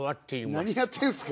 何やってんすか！